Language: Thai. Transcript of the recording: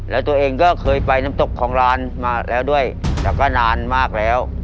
แล้วตัวเองก็เคยไปน้ำตกของร้านมาแล้วด้วยแล้วก็นานมากแล้ว